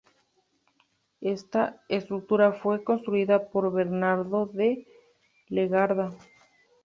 Esta estructura fue construida por Bernardo de Legarda.